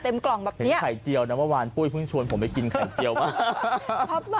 มีไข่เจียวปุ๊ยพึ่งชวนผมไปกินไข่เจียวมาก